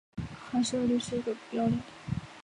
发射率是个标量。